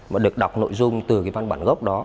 mà được đọc nội dung từ cái văn bản gốc đó